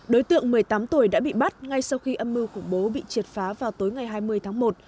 đối tượng một mươi tám tuổi đã bị bắt ngay sau khi âm mưu khủng bố bị triệt phá vào tối ngày hai mươi tháng một